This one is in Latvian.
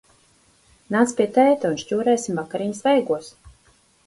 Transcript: Nāc pie tēta, un šķūrēsim vakariņas vaigos!